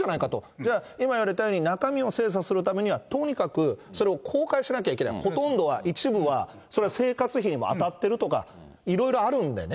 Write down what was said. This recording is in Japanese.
じゃあ、今言われたように、中身を精査するためには、とにかくそれを公開しなきゃいけない、ほとんどは一部は、それは生活費にもあたってるとか、いろいろあるんでね。